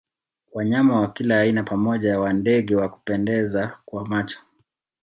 Wanyama wa kila aina pamoja wa ndege wa kupendeza kwa macho